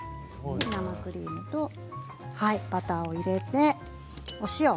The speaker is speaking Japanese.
生クリームとバターを入れてお塩。